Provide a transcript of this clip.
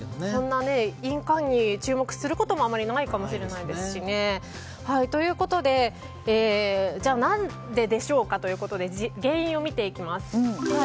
そんな印鑑に注目することもあまりないかもしれないですしね。ということで何ででしょうかということで原因を見ていきます。